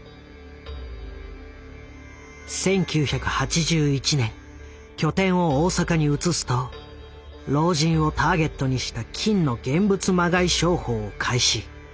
１９８１年拠点を大阪に移すと老人をターゲットにした金の現物まがい商法を開始。